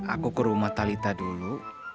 aku ke rumah talitha dulu